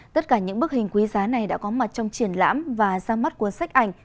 tất cả những bức hình quý giá này đã có mặt trong triển lãm và ra mắt cuốn sách ảnh